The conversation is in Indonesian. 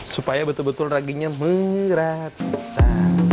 supaya betul betul raginya merata